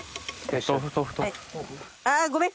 あごめん！